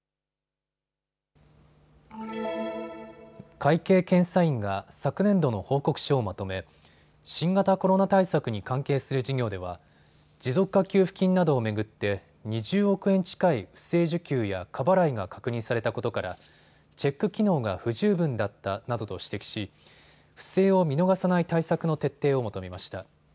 会計検査院が昨年度の報告書をまとめ新型コロナ対策に関係する事業では持続化給付金などを巡って２０億円近い不正受給や過払いが確認されたことからチェック機能が不十分だったなどと指摘し、不正を見逃さない対策の徹底を求めました。